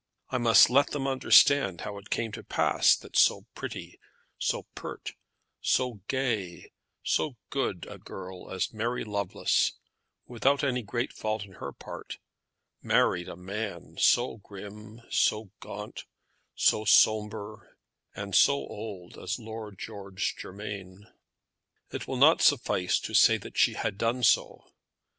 I must let them understand how it came to pass that so pretty, so pert, so gay, so good a girl as Mary Lovelace, without any great fault on her part, married a man so grim, so gaunt, so sombre, and so old as Lord George Germain. It will not suffice to say that she had done so.